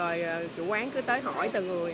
rồi chủ quán cứ tới hỏi từ người